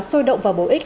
sôi động và bổ ích